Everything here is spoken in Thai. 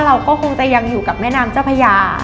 เราก็คงจะยังอยู่กับแม่น้ำเจ้าพญา